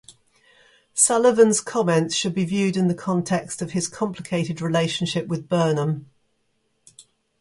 Sullivan's comments should be viewed in the context of his complicated relationship with Burnham.